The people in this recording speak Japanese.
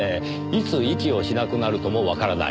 いつ息をしなくなるともわからない。